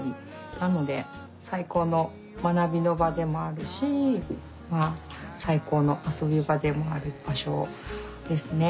なので最高の学びの場でもあるし最高の遊び場でもある場所ですね。